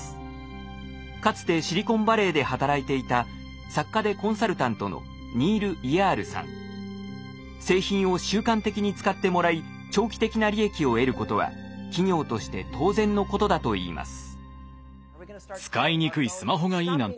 かつてシリコンバレーで働いていた作家でコンサルタントの製品を習慣的に使ってもらい長期的な利益を得ることは企業として当然のことだといいます。